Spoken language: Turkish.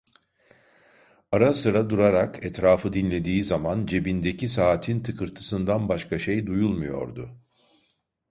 Ara sıra durarak etrafı dinlediği zaman, cebindeki saatin tıkırtısından başka şey duyulmuyordu…